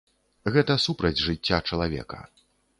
Гэта супраць жыцця чалавека.